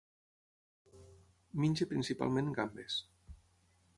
Menja principalment gambes.